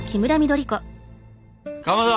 かまど！